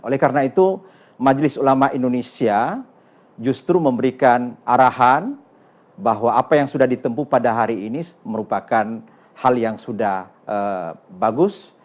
oleh karena itu majelis ulama indonesia justru memberikan arahan bahwa apa yang sudah ditempu pada hari ini merupakan hal yang sudah bagus